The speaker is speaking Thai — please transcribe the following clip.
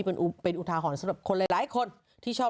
แล้วก็ไปเลยอะไรอย่างนี้